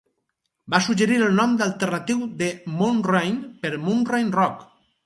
Va suggerir el nom alternatiu de Moorine, per Moorine Rock.